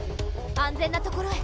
安全な所へ！